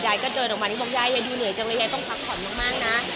ก็เดินออกมานี่บอกยายยายดูเหนื่อยจังเลยยายต้องพักผ่อนมากนะ